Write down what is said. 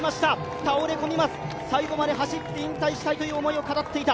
倒れ込みます、最後まで走って引退したいと語っていた。